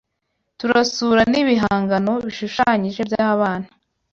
Turasura n’ibihangano bishushanyije by’abana